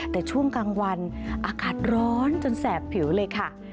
แต่ช่วงกลางวันอากาศร้อนจนแสบผิวเลยค่ะ